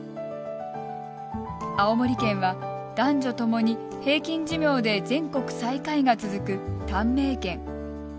青森県は、男女ともに平均寿命で全国最下位が続く短命県。